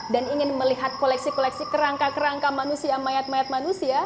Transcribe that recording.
dan ingin melihat koleksi koleksi kerangka kerangka manusia mayat mayat manusia